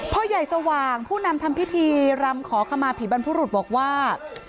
พ่อใหญ่สว่างผู้นำทำพิธีรำขอขมาผีบรรพรุษบอกว่า